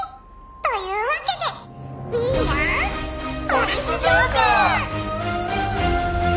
「というわけでウィーアー」「ポリス浄化ぁ！」